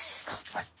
はい。